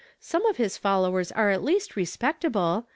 some of liis followers are at least respectable.